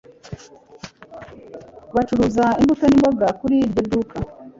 Bacuruza imbuto n'imboga kuri iryo duka.